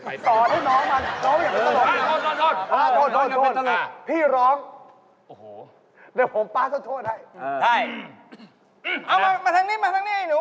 ต่อให้น้องมาน้องอยากรับสนุทธิ์